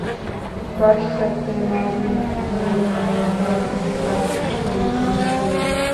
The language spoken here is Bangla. পাশ্চাত্যে নারী হইলেন পত্নী, প্রাচ্যে তিনি জননী।